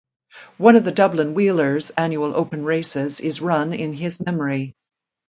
One of the Dublin Wheelers annual open races is run in his memory.